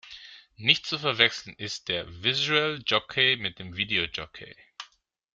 Nicht zu verwechseln ist der Visual Jockey mit dem Video Jockey.